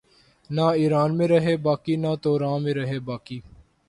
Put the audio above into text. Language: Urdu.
نہ ایراں میں رہے باقی نہ توراں میں رہے باقی